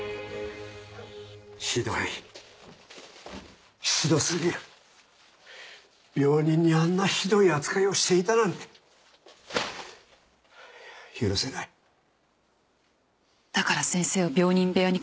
ひどいひどすぎる病人にあんなひどい扱いをしていたなんて許せないだから先生を病人部屋に関わらせなかったんですね